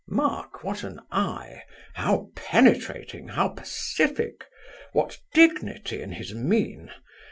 Mark what an eye, how penetrating, yet pacific! what dignity in his mien!